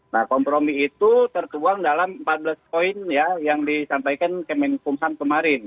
nah kompromi itu tertuang dalam empat belas poin ya yang disampaikan kemenkumham kemarin